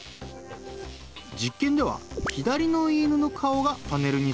実験では左の犬の顔がパネルについた瞬間